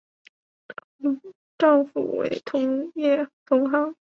丈夫为同业同行。